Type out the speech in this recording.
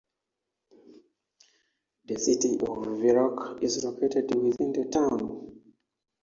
The City of Viroqua is located within the town.